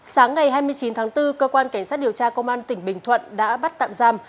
sáng ngày hai mươi chín tháng bốn cơ quan cảnh sát điều tra công an tỉnh bình thuận đã bắt tạm giam